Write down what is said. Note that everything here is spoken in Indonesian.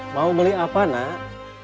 mau beli apa nak